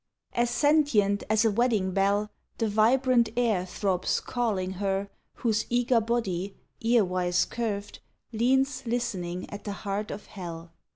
As sentient as a wedding bell, The vibrant air throbs calling her Whose eager body, earwise curved, Leans listening at the heart of hell.